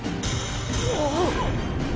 あっ！